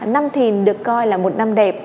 năm thìn được coi là một năm đẹp